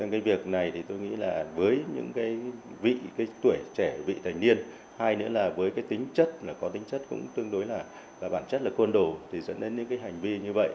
cái việc này thì tôi nghĩ là với những cái tuổi trẻ vị thành niên hai nữa là với cái tính chất là có tính chất cũng tương đối là và bản chất là côn đồ thì dẫn đến những cái hành vi như vậy